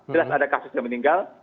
jelas ada kasus yang meninggal